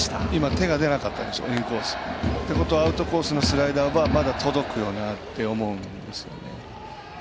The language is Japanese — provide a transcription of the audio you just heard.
手が出なかったでしょインコース。ってことはアウトコースのスライダーはまだ届くよなって思うんですよね。